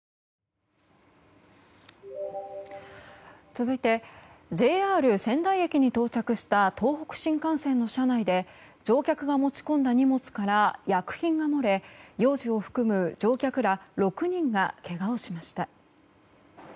続いて、ＪＲ仙台駅に到着した東北新幹線の車内で乗客が持ち込んだ荷物から薬品が漏れ幼児を含む乗客ら６人がけがをしました。